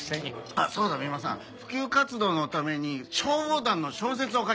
あっそうだ三馬さん普及活動のために消防団の小説を書きましょう！